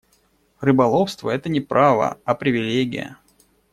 Рыболовство — это не право, а привилегия.